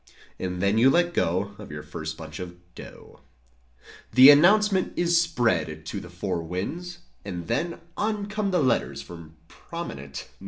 And then you let go Of your first bunch of "dough." The 'Announcement' is spread to the four winds: And then On come the letters from prominent